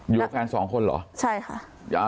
อยู่กับแก่น๒คนเหรอใช่ค่ะ